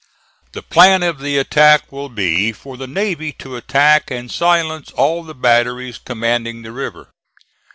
The plan of the attack will be for the navy to attack and silence all the batteries commanding the river.